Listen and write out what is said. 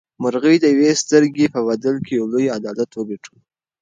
مرغۍ د یوې سترګې په بدل کې یو لوی عدالت وګټلو.